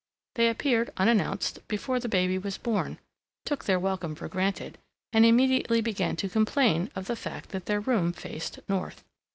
They appeared unannounced, before the baby was born, took their welcome for granted, and immediately began to complain of the fact that their room faced north.